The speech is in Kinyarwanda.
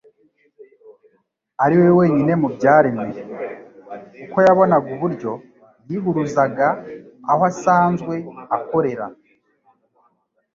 ari wenyine mu byaremwe. Uko yabonaga uburyo, yihuruzaga aho asanzwe akorera,